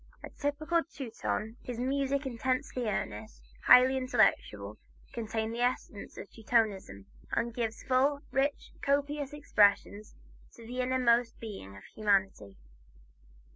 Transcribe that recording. A typical Teuton, his music, intensely earnest, highly intellectual, contains the essence of Teutonism, and gives full, rich, copious expression to the inmost being of humanity.